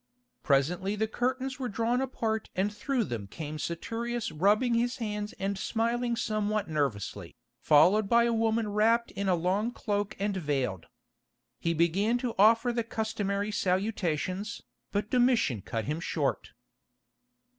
Presently the curtains were drawn apart and through them came Saturius rubbing his hands and smiling somewhat nervously, followed by a woman wrapped in a long cloak and veiled. He began to offer the customary salutations, but Domitian cut him short.